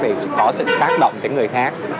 để có sự tác động đến người khác